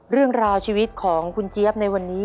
เรื่องราวชีวิตของคุณเจี๊ยบในวันนี้